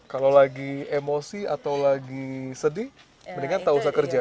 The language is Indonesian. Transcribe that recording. kalau lagi emosi atau lagi sedih mendingan tak usah kerja